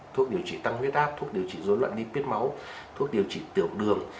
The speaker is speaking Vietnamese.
thuốc điều trị tăng vết áp thuốc điều trị dối loạn lipid máu thuốc điều trị tiểu đường